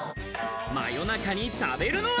真夜中に食べるのは。